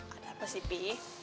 ada apa sih bi